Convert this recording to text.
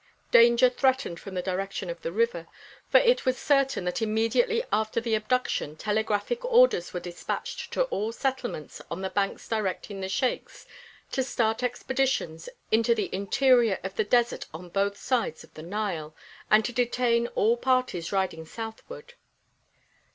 Danger threatened from the direction of the river, for it was certain that immediately after the abduction telegraphic orders were despatched to all settlements on the banks directing the sheiks to start expeditions into the interior of the desert on both sides of the Nile, and to detain all parties riding southward.